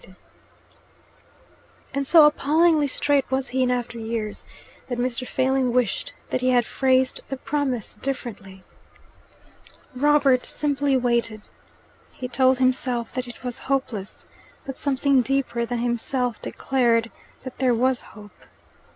And so appallingly straight was he in after years, that Mr. Failing wished that he had phrased the promise differently. Robert simply waited. He told himself that it was hopeless; but something deeper than himself declared that there was hope.